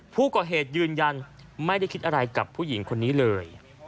ผู้ก่อเหตุยืนยันไม่ได้คิดอะไรกับผู้หญิงคนนี้เลย